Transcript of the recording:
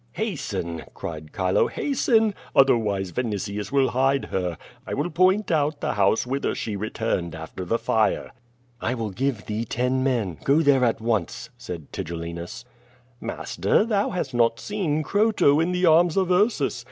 "Hasten!" cried Chilo, "hasten! Otherwise Vinitius will 366 Qt70 VADIS, hide her. I will point out the house whither she returned after the fire." "I will give thee ten men. Go there at once/' said Tigelli nus. "Master, thou hast not seen Croto in the arms of Ursus.